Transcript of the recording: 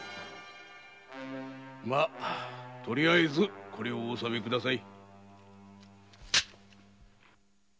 まぁとりあえずこれをお納めください。